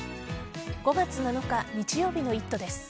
５月７日日曜日の「イット！」です。